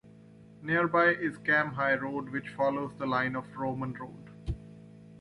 Nearby is Cam High Road, which follows the line of a Roman Road.